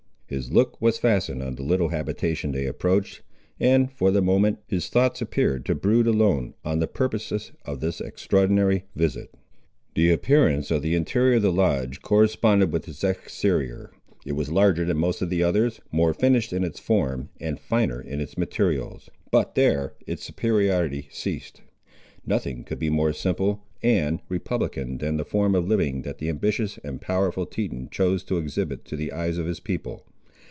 His look was fastened on the little habitation they approached; and, for the moment, his thoughts appeared to brood alone on the purposes of this extraordinary visit. The appearance of the interior of the lodge corresponded with its exterior. It was larger than most of the others, more finished in its form, and finer in its materials; but there its superiority ceased. Nothing could be more simple and republican than the form of living that the ambitious and powerful Teton chose to exhibit to the eyes of his people.